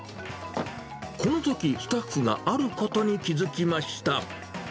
このときスタッフがあることに気づきました。